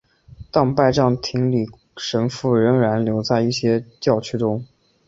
但拜占庭礼神父仍然留在一些教区中。